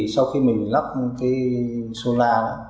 sau khi mình lắp cái solar